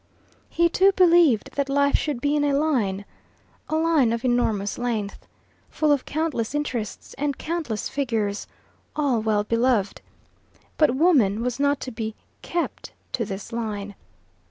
He too believed that life should be in a line a line of enormous length, full of countless interests and countless figures, all well beloved. But woman was not to be "kept" to this line.